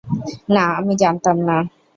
না, আমি জানতাম না।